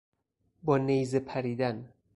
با نیزه پریدن